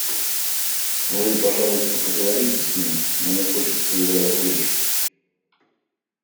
Вы, пожалуйста, поговорите с ним, мне хочется его развлечь.